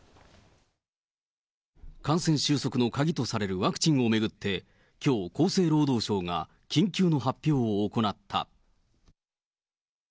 感染収束の鍵とされるワクチンを巡って、きょう、厚生労働省が緊急発表を行った。